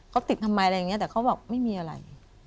เขาติดทำไมอะไรอย่างนี้แต่เขาบอกไม่มีอะไร